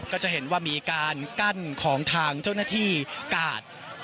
ก็จะเห็นว่ามีการกั้นของทางเจ้าหน้าที่กาด